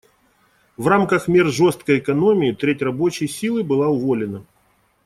В рамках мер жесткой экономии треть рабочей силы была уволена.